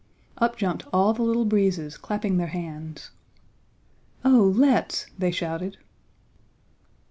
Up jumped all the Little Breezes, clapping their hands. "Oh let's!" they shouted.